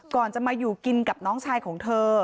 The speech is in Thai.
ก่อนจะมาอยู่กินกับน้องชายของเธอ